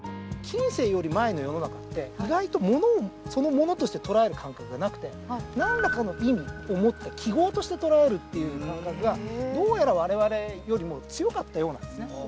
意外とものをそのものとして捉える感覚がなくてなんらかの意味を持った記号として捉えるっていう感覚がどうやら我々よりも強かったようなんですね。